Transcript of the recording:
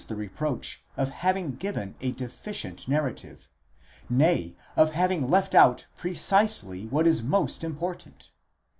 the reproach of having given a deficient narrative, nay of having left out pre cisely what is most important.